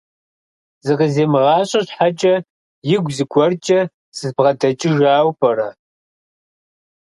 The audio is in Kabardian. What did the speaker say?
Зыкъызимыгъащӏэ щхьэкӏэ, игу зыгуэркӏэ збгъэдэкӏыжауэ пӏэрэ?